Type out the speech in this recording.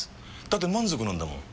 だって満足なんだもん。